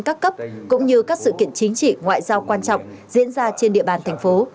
các cấp cũng như các sự kiện chính trị ngoại giao quan trọng diễn ra trên địa bàn thành phố